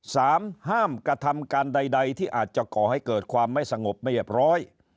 ห้ามกระทำการใดใดที่อาจจะก่อให้เกิดความไม่สงบไม่เรียบร้อย